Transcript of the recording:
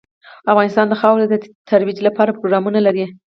افغانستان د خاوره د ترویج لپاره پروګرامونه لري.